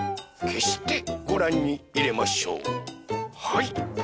はい。